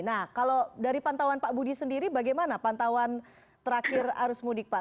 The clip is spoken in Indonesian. nah kalau dari pantauan pak budi sendiri bagaimana pantauan terakhir arus mudik pak